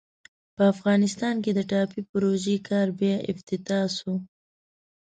په افغانستان کې د ټاپي پروژې کار بیا افتتاح سو.